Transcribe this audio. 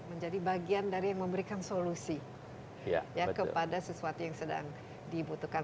dan indonesia bisa menjadi bagian dari yang memberikan solusi kepada sesuatu yang sedang dibutuhkan